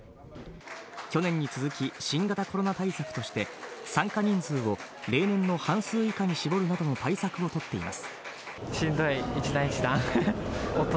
去年に続き新型コロナウイルス対策として参加人数を例年の半数以下に絞るなどの対策を取っています。